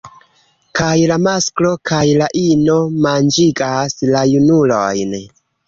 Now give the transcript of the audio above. Kaj la masklo kaj la ino manĝigas la junulojn.